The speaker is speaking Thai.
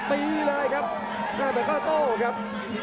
ตีเลยครับหน้าไปเข้าโต๊ะครับ